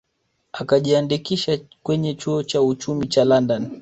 Akajiandikisha kwenye chuo cha uchumi cha London